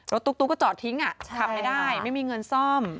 ตุ๊กก็จอดทิ้งขับไม่ได้ไม่มีเงินซ่อม